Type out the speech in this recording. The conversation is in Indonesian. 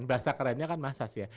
bahasa kerennya kan massas ya